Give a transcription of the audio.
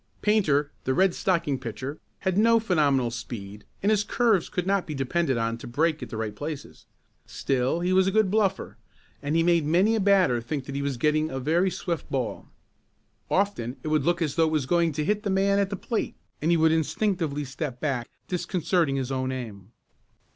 Painter, the Red Stocking pitcher, had no phenomenal speed and his curves could not be depended on to break at the right places. Still he was a good "bluffer" and he made many a batter think that he was getting a very swift ball. Often it would look as though it was going to hit the man at the plate and he would instinctively step back, disconcerting his own aim.